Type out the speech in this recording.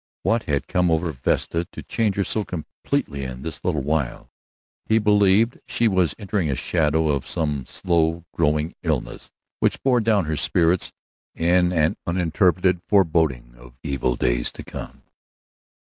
What had come over Vesta to change her so completely in this little while? He believed she was entering the shadow of some slow growing illness, which bore down her spirits in an uninterpreted foreboding of evil days to come.